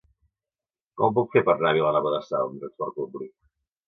Com ho puc fer per anar a Vilanova de Sau amb trasport públic?